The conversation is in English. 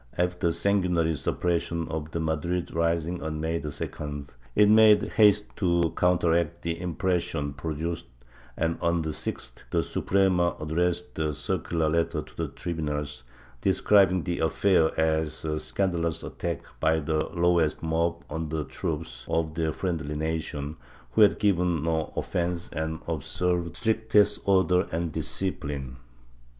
After the sanguinary suppression of the Madrid rising on May 2d, it made haste to counteract the impression produced and, on the Gth, the Suprema addressed a circular letter to the tribunals, describing the affair as a scandalous attack by the lowest mob on the troops of a friendly nation, who had given no offence and had observed the strictest order and discipline.